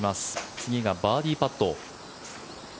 次がバーディーパット。